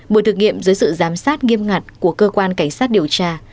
buổi thực nghiệm dưới sự giám sát nghiêm ngặt của cơ quan cảnh sát điều tra